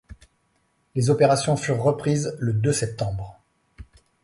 Les opérations furent reprises le deux septembre.